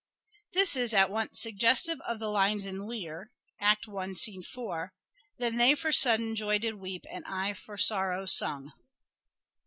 This is at once suggestive of the lines in "Lear " (1. 4) :—" Then they for sudden joy did weep And I for sorrow sung."